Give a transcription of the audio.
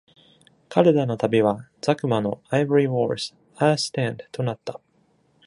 彼らの旅は、ザクマの Ivory Wars、Last Stand となった。